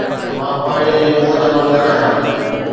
مان پاڻيءَ جي موج وانگر آهيان